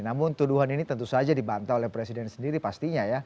namun tuduhan ini tentu saja dibantah oleh presiden sendiri pastinya ya